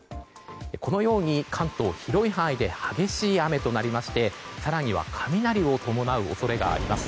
このように関東広い範囲で激しい雨となりまして更には雷を伴う恐れがあります。